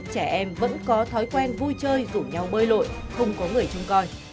trẻ em vẫn có thói quen vui chơi rủ nhau bơi lội không có người trông coi